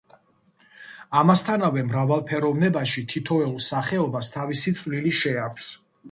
ამასთანავე მრავალფეროვნებაში თითოეულ სახეობას თავისი წვლილი შეაქვს.